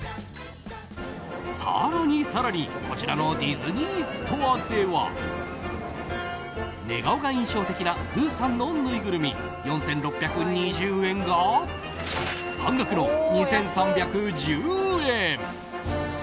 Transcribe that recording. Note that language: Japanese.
更に更にこちらのディズニーストアでは寝顔が印象的なプーさんのぬいぐるみ、４６２０円が半額の２３１０円！